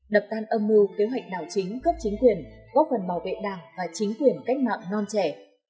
đập tan âm mưu kế hoạch đảo chính cấp chính quyền góp phần bảo vệ đảng và chính quyền cách mạng non trẻ